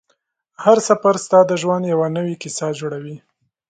هر سفر ستا د ژوند یوه نوې کیسه جوړوي